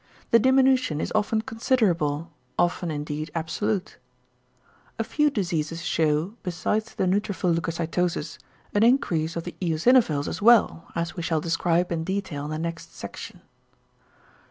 The diminution is often considerable, often indeed absolute. A few diseases shew, besides the neutrophil leucocytosis, an increase of the eosinophils as well, as we shall describe in detail in the next section.